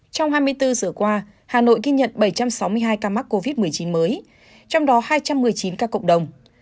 trong hai mươi bốn giờ qua hà nội ghi nhận bảy trăm sáu mươi hai ca mắc covid một mươi chín mới trong đó hai trăm một mươi chín ca cộng đồng